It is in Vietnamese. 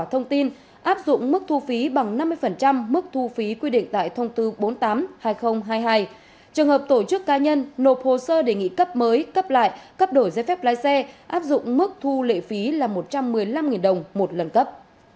thông tin áp dụng mức thu phí bằng năm mươi phần trăm mức thu phí quy định tại thông tư bốn trăm tám mươi hai nghìn hai mươi hai trường hợp tổ chức cá nhân nộp hồ sơ đề nghị cấp mới cấp lại cấp đổi giấy phép lái xe áp dụng mức thu lệ phí là một trăm một mươi năm đồng một lần cấp